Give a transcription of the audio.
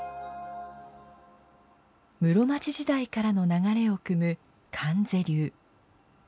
室町時代からの流れをくむ観世流。